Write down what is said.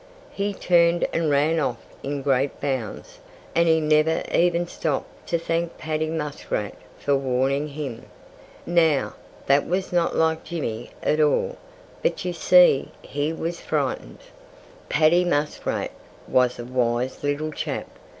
He turned and ran off in great bounds; and he never even stopped to thank Paddy Muskrat for warning him. Now, that was not like Jimmy at all. But you see, he was frightened. Paddy Muskrat was a wise little chap.